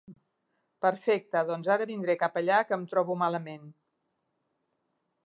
Perfecte doncs ara vindré cap allà que em trobo malament.